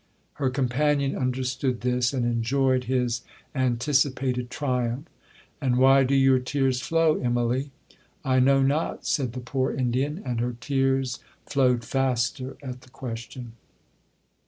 Her companion understood this, and enjoyed his anticipated triumph. 'And why do your tears flow, Immalee?'—'I know not,' said the poor Indian, and her tears flowed faster at the question.